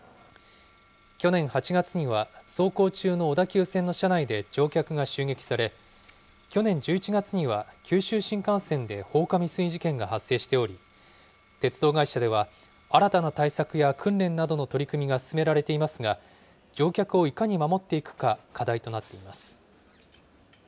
去年８月には、走行中の小田急線の車内で乗客が襲撃され、去年１１月には九州新幹線で放火未遂事件が発生しており、鉄道会社では新たな対策や訓練などの取り組みが進められていますが、乗客をいかに守っていくか、課題となっています。